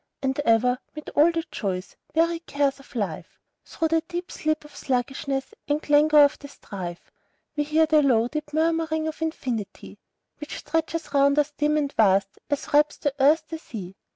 And ever, 'mid all the joys and weary cares of life, Through the dull sleep of sluggishness, and clangor of the strife, We hear the low, deep murmuring of that Infinity Which stretcheth round us dim and vast, as wraps the earth the sea.